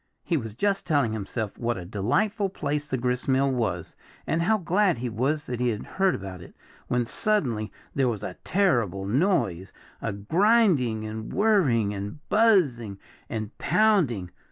He was just telling himself what a delightful place the gristmill was, and how glad he was that he had heard about it, when suddenly there was a terrible noise a grinding, and whirring, and buzzing, and pounding.